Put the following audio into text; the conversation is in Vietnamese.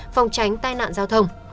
phòng tránh tai nạn giao thông